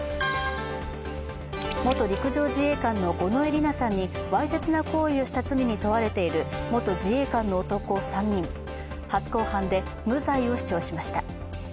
元陸上自衛官の五ノ井里奈さんにわいせつな行為をした罪に問われている元自衛官の男３人、初公判で無罪を主張しました。